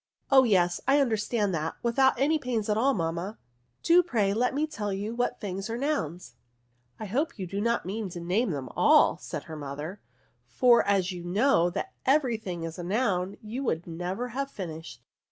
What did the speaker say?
" Oh yes, I understand that, without any pains at all, mamma; do, pray, let me tell you what things are nouns." I hope you do not mean to name them all," said her mother; for as you know that every thing is a noun, you would never have finished."